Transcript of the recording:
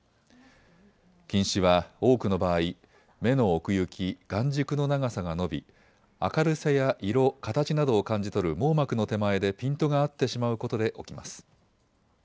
近視は多くの場合、目の奥行き、眼軸の長さが伸び明るさや色、形などを感じ取る網膜の手前でピントが合ってしまうことで起きます。